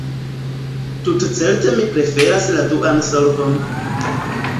Tutcerte mi preferas la duan solvon.